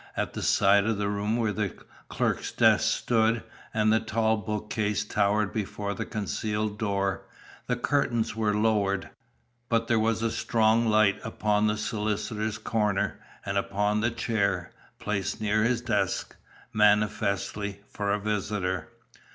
At the side of the room where the clerk's desk stood, and the tall bookcase towered before the concealed door, the curtains were lowered; but there was a strong light upon the solicitor's corner, and upon the chair, placed near his desk, manifestly, for a visitor.